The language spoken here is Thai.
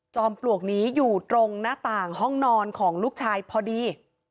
ปลวกนี้อยู่ตรงหน้าต่างห้องนอนของลูกชายพอดี